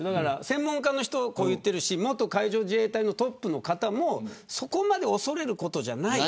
専門家の人は、こう言ってるし元海上自衛隊のトップの方もそこまで恐れることじゃない。